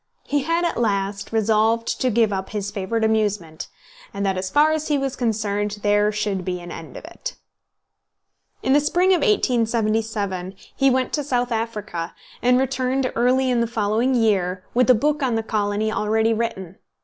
He had at last resolved to give up his favourite amusement, and that as far as he was concerned there should be an end of it. In the spring of 1877 he went to South Africa, and returned early in the following year with a book on the colony already written.